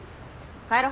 帰ろ。